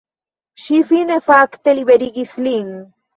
Ŝi fine fakte liberigis lin.